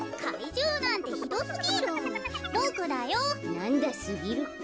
なんだすぎるか。